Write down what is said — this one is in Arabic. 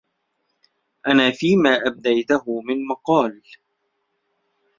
أنا فيما أبديته من مقال